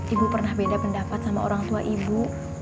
ibu pernah beda pendapat sama orang tua ibu